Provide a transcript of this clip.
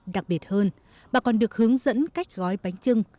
đặc biệt hơn bà còn được hướng dẫn cách gói bánh trưng